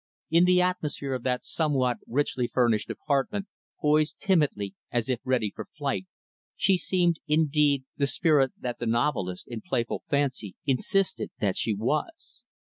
In the atmosphere of that somewhat richly furnished apartment; poised timidly as if for ready flight; she seemed, indeed, the spirit that the novelist in playful fancy insisted that she was.